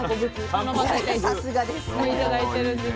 さすがです。